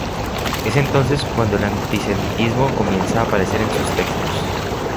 Es entonces cuando el antisemitismo comienza a aparecer en sus textos.